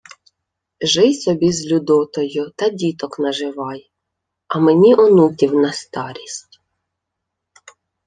— Жий собі з Людотою та діток наживай, а мені онуків на старість.